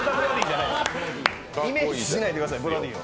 イメージしないでくださいブロディを。